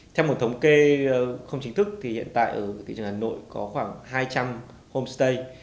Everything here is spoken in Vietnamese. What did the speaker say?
theo một thống kê không chính thức thì hiện tại ở thị trường hà nội có khoảng hai trăm linh homestay